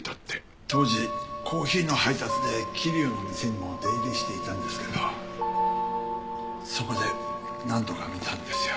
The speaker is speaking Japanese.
当時コーヒーの配達で桐生の店にも出入りしていたんですけどそこで何度か見たんですよ。